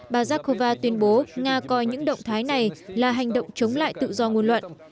bà zakhova tuyên bố nga coi những động thái này là hành động chống lại tự do nguồn luận